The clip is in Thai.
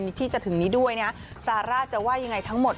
ที่จะถึงนี้ด้วยนะซาร่าจะว่ายังไงทั้งหมด